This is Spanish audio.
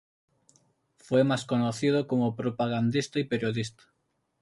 Fue más conocido como propagandista y periodista.